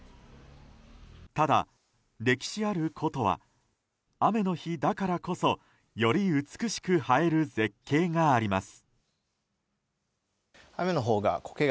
ただ、歴史ある古都は雨の日だからこそより美しく映える絶景があります。